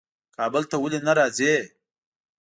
کابل ته ولي نه راځې؟